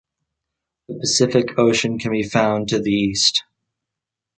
The Pacific Ocean can be found to the east.